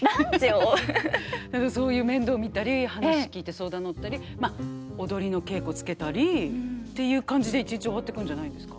何かそういう面倒見たり話聞いて相談に乗ったりまあ踊りの稽古つけたりっていう感じで一日終わってくんじゃないんですか。